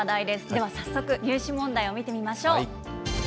では、早速、入試問題を見てみましょう。